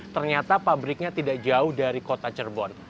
ternyata pabriknya tidak jauh dari kota cirebon